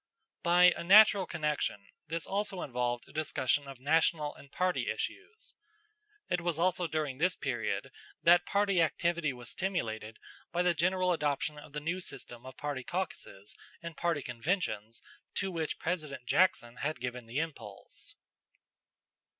By a natural connection, this also involved a discussion of national and party issues. It was also during this period that party activity was stimulated by the general adoption of the new system of party caucuses and party conventions to which President Jackson had given the impulse.